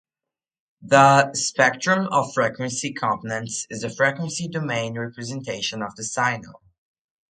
The 'spectrum' of frequency components is the frequency domain representation of the signal.